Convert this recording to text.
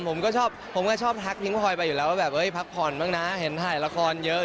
ผมก็ชอบผมก็ชอบทักทิ้งพลอยไปอยู่แล้วว่าแบบเฮ้ยพักผ่อนบ้างนะเห็นถ่ายละครเยอะ